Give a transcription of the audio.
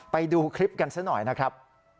ไปดูคลิปกันซะหน่อยนะครับ